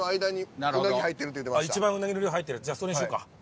いちばんうなぎの量入ってるじゃあそれにしようか。